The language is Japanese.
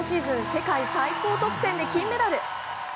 世界最高得点で金メダル。